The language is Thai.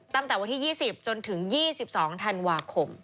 ตั้งแต่วันที่๒๐จนถึง๒๒ธันวาคม